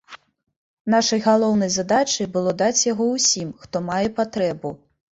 Нашай галоўнай задачай было даць яго ўсім, хто мае патрэбу.